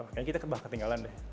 kayaknya kita kebah ketinggalan deh